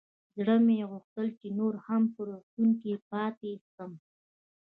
زړه مې غوښتل چې نور هم په روغتون کښې پاته سم.